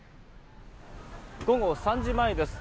午後３時前です。